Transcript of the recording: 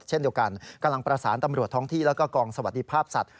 เช่นเดียวกันกำลังประสานตำรวจท้องที่แล้วก็กองสวัสดิภาพสัตว